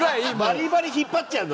バリバリ引っ張っちゃうんだ